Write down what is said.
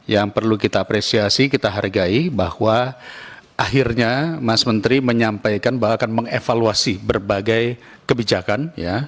yang perlu kita apresiasi kita hargai bahwa akhirnya mas menteri menyampaikan bahwa akan mengevaluasi berbagai kebijakan